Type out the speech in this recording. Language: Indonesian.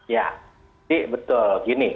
ya ini betul